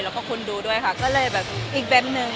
แล้วก็คนดูด้วยค่ะก็เลยแบบอีกแบบนึง